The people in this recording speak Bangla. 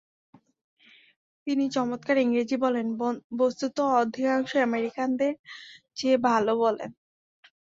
তিনি চমৎকার ইংরেজী বলেন, বস্তুত অধিকাংশ আমেরিকানদের চেয়ে ভাল বলেন।